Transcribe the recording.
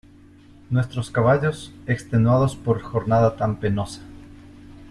nuestros caballos, extenuados por jornada tan penosa